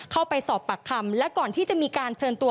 เข้าไปสอบปากคำและก่อนที่จะมีการเชิญตัว